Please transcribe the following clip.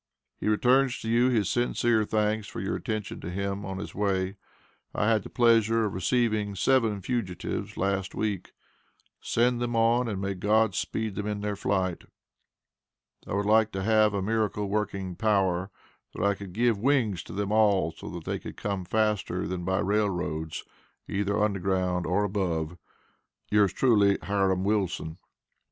He returns to you his sincere thanks for your attention to him on his way. I had the pleasure of receiving seven fugitives last week. Send them on, and may God speed them in the flight. I would like to have a miracle working power, that I could give wings to them all so that they could come faster than by Railroads either underground or above. Yours truly, HIRAM WILSON.